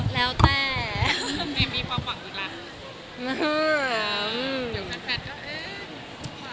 แต่ดูกันเองนี่จริงเลยน่ะ